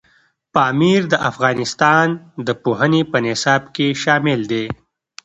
پامیر د افغانستان د پوهنې په نصاب کې شامل دی.